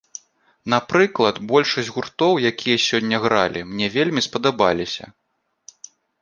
Напрыклад, большасць гуртоў, якія сёння гралі, мне вельмі спадабаліся.